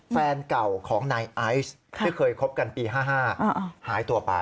แฟนเก่าของนายไอซ์ที่เคยคบกันปี๕๕หายตัวไป